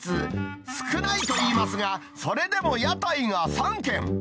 少ないといいますが、それでも屋台が３軒。